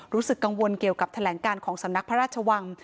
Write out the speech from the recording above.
รู้สึกกังวลเกี่ยวกับแถลงการของสำนักพระราชวัง